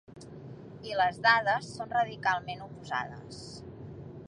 I les dades són radicalment oposades.